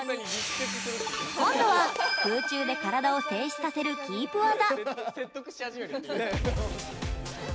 今度は空中で体を静止させるキープ技。